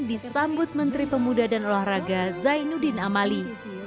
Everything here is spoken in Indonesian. disambut menteri pemuda dan olahraga zainuddin amali